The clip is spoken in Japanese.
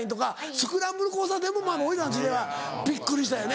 スクランブル交差点も俺らの時代はびっくりしたよね。